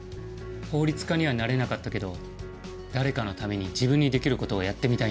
法律家にはなれなかったけど誰かのために自分にできる事をやってみたいんだ。